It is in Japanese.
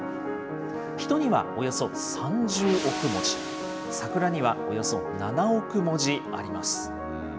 ヒトにはおよそ３０億文字、サクラにはおよそ７億文字あります。